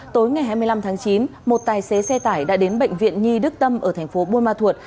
tối ngày hai mươi năm tháng chín một tài xế xe tải đã đến bệnh viện nhi đức tâm ở thành phố buôn ma thuột